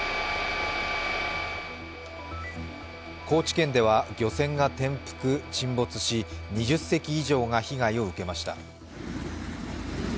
高知県では漁船が転覆・沈没し２０隻以上が被害を受けました。